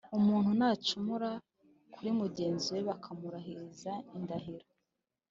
“Umuntu nacumura kuri mugenzi we bakamurahiza indahiro